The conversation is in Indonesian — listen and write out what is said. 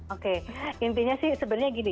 oke intinya sih sebenarnya gini